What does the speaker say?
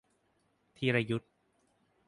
ธีรยุทธ